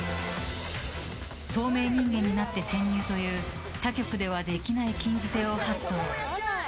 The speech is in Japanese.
透明人間になって、潜入という他局ではできない禁じ手を発動！